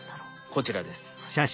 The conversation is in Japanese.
こちらです。